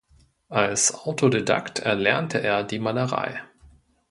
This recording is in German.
Als Autodidakt erlernte er die Malerei.